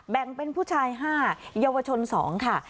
แบ่งเป็นผู้ชาย๕เยาวชน๒ค่ะ